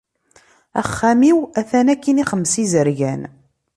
Axxam-iw atan akkin i xemsa izergan.